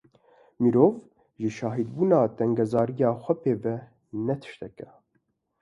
Mirov ji şahidbûna tengezariya xwe pê ve, ne tiştek e.